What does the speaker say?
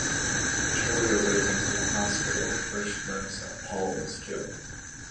Terri awakens in the hospital, where she learns that Paul was killed.